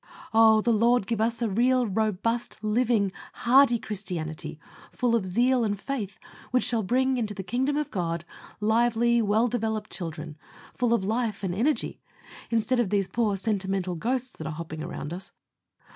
Oh! the Lord give us a real robust, living, hardy Christianity, full of zeal and faith, which shall bring into the kingdom of God, lively, well developed children, full of life and energy, instead of these poor, sentimental ghosts that are hopping around us.